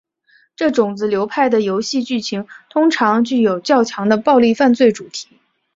这种子流派的游戏剧情通常具有较强的暴力犯罪主题。